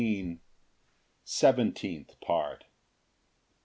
Seventeenth Part.